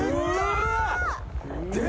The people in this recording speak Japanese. うわ！